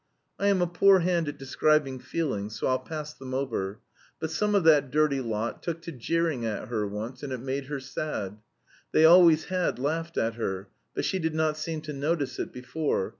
I am a poor hand at describing feelings, so I'll pass them over; but some of that dirty lot took to jeering at her once, and it made her sad. They always had laughed at her, but she did not seem to notice it before.